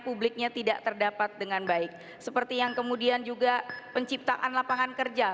publiknya tidak terdapat dengan baik seperti yang kemudian juga penciptaan lapangan kerja